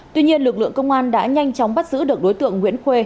tuy nhiên lực lượng công an đã nhanh chóng bắt giữ được đối tượng nguyễn khuê